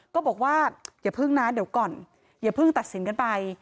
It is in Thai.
ก็บอกว่าอย่าเพิ่งนะเดี๋ยวก่อนอย่าเพิ่งตัดสินกันไป